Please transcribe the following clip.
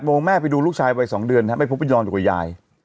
โมงแม่ไปดูลูกชายวัย๒เดือนไม่พบไปนอนอยู่กับยาย